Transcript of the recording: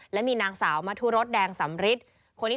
และมีนางสาวมธุรสแดงสำฤิทธิ์